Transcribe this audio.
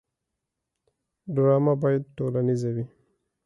ډرامه باید ټولنیزه وي